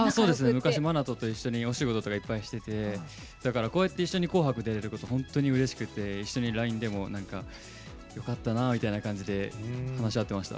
昔、ＭＡＮＡＴＯとお仕事とか、いっぱいしててだから、こうやって一緒に「紅白」出れること本当にうれしくて一緒にＬＩＮＥでもよかったなみたいな感じで話し合っていました。